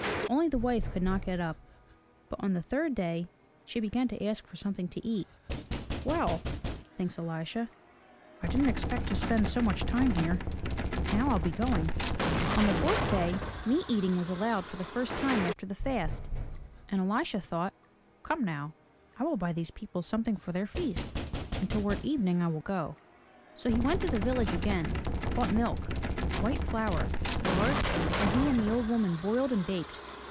Only the wife could not get up. But on the third day she began to ask for something to eat. "Well," thinks Elisha. "I didn't expect to spend so much time. Now I'll be going." 159 MY BOOK HOUSE On the fourth day meat eating was allowed for the first time after the fast, and Elisha thought, "Come, now, I will buy these people something for their feast, and toward evening I will go/' So he went to the village again, bought milk, white flour, lard, and he and the old woman boiled and baked.